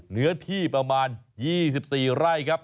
เนื้อที่ประมาณ๒๔ไร่ครับ